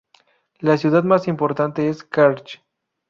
La ciudad más importante es Kerch.